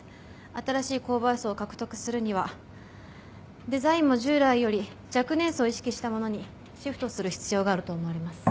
新しい購買層を獲得するにはデザインも従来より若年層を意識したものにシフトする必要があると思われます。